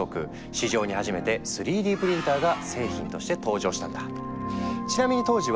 市場に初めて３Ｄプリンターが製品として登場したんだ。